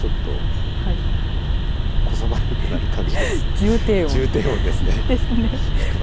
重低音ですね。